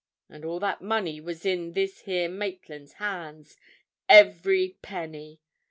And all that money was in this here Maitland's hands, every penny.